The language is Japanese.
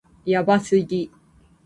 やばすぎ